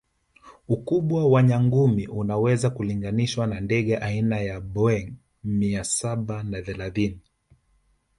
Ukubwa wa nyangumi unaweza kulinganishwa na ndege aina ya Boeing mia Saba na thelathini